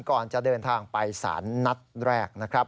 ก่อนจะเดินทางไปสารนัดแรกนะครับ